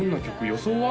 予想は？